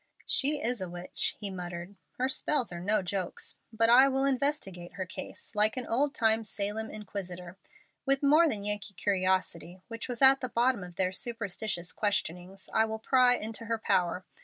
"She is a witch," he muttered. "Her spells are no jokes. But I will investigate her case like an old time Salem inquisitor. With more than Yankee curiosity, which was at the bottom of their superstitious questionings, I will pry into her power.